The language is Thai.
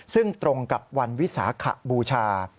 ซึ่งตรงกับวันวิสาขบูชา